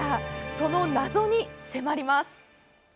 その謎に迫ります。